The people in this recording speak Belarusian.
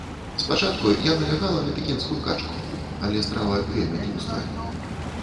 Спачатку я налягала на пекінскую качку, але страва вельмі тлустая.